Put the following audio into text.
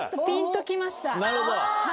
ぴんときました。